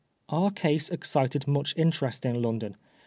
Our case excited much interest in London.